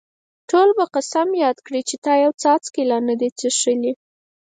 ټول به قسم یاد کړي چې تا یو څاڅکی لا هم نه دی څښلی.